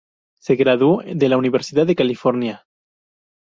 Se graduó de la Universidad de California.